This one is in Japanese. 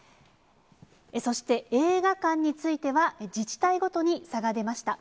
そして映画館については、自治体ごとに差が出ました。